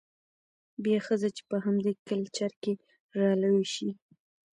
بيا ښځه چې په همدې کلچر کې رالوى شوې،